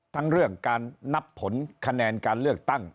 ทั้งเรื่องการนับผลคะแนนการเลือกตั้ง